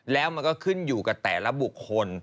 แล้วมันก็ขึ้นอยู่กับแต่ละบุคคล